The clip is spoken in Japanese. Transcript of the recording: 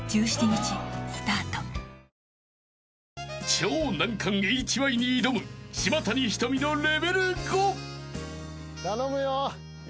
［超難関ＨＹに挑む島谷ひとみのレベル５］頼むよ！